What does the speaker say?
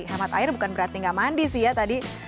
hemat air bukan berarti nggak mandi sih ya tadi